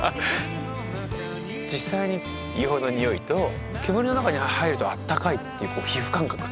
実際に硫黄のにおいと煙の中に入るとあったかいって皮膚感覚と。